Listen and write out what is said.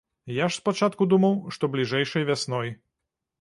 Я ж спачатку думаў, што бліжэйшай вясной.